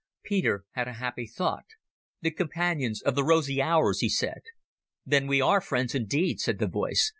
Peter had a happy thought. "The Companions of the Rosy Hours," he said. "Then are we friends indeed," said the voice.